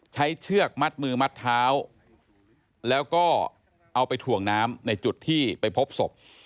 เชือกมัดมือมัดเท้าแล้วก็เอาไปถ่วงน้ำในจุดที่ไปพบศพ